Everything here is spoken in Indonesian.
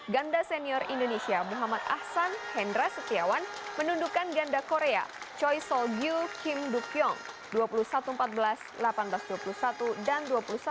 ganda senior indonesia muhammad ahsan hendra setiawan menundukkan ganda korea choi solgu kim dukyong dua puluh satu empat belas delapan belas dua puluh satu dan dua puluh satu